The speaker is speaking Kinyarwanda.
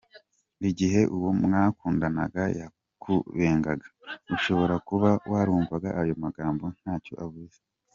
Igihe uwo mwakundanaga yakubengaga, ushobora kuba warumvaga ayo magambo ntacyo avuze.